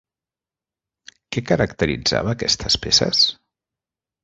Què caracteritzava aquestes peces?